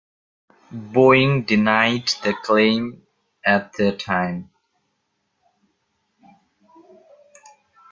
Boeing denied the claim at the time.